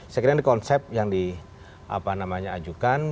saya kira ini konsep yang di ajukan